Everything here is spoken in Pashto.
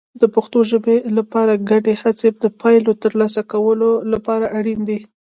د پښتو ژبې لپاره ګډې هڅې د پایلو ترلاسه کولو لپاره اړین دي.